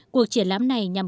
cuộc triển lãm này nhằm